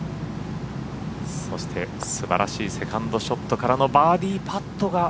そして素晴らしいセカンドショットからのバーディーパットが。